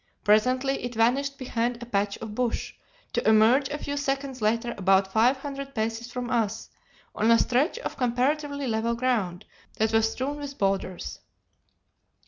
Presently it vanished behind a patch of bush, to emerge a few seconds later about five hundred paces from us, on a stretch of comparatively level ground that was strewn with boulders.